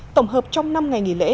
tổng hợp trong năm ngày nghỉ lễ